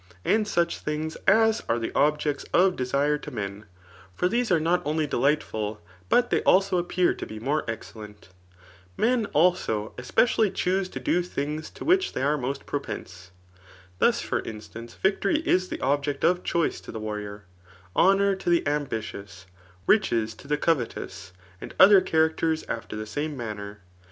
And such things as are the objects of Retire to men ; for these are not only delightful, but they also appear to be more excellent. Men, dso, spe cially chuse to do those things to which they are most |M»pense. Thus, for instance, victory is the object (^ idbtoioe to the warrior ; honour to the ambitious ; richos to the covetous ; and other chaiacters after ihe same goanner.